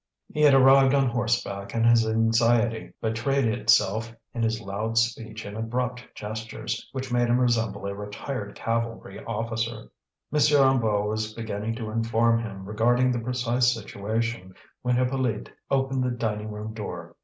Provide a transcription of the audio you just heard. He had arrived on horseback, and his anxiety betrayed itself in his loud speech and abrupt gestures, which made him resemble a retired cavalry officer. M. Hennebeau was beginning to inform him regarding the precise situation, when Hippolyte opened the dining room door.